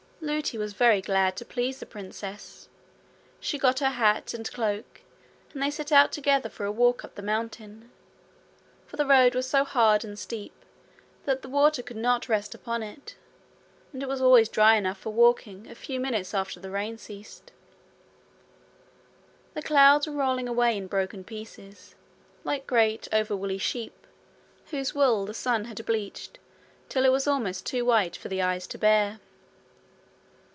Lootie was very glad to please the princess. She got her hat and cloak, and they set out together for a walk up the mountain; for the road was so hard and steep that the water could not rest upon it, and it was always dry enough for walking a few minutes after the rain ceased. The clouds were rolling away in broken pieces, like great, overwoolly sheep, whose wool the sun had bleached till it was almost too white for the eyes to bear.